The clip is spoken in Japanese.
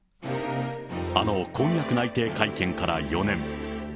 あの婚約内定会見から４年。